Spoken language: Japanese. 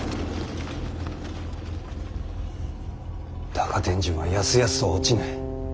高天神はやすやすとは落ちぬ。